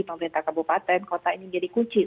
pemerintah kabupaten kota ini menjadi kunci